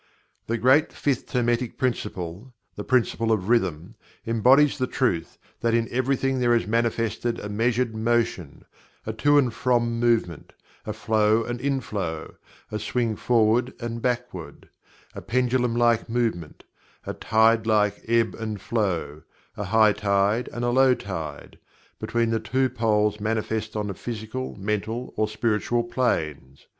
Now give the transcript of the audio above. The great Fifth Hermetic Principle the Principle of Rhythm embodies the truth that in everything there is manifested a measured motion; a to and from movement; a flow and inflow; a swing forward and backward; a pendulum like movement; a tide like ebb and flow; a high tide and a low tide; between the two poles manifest on the physical, mental or spiritual planes.